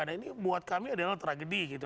nah ini buat kami adalah tragedi gitu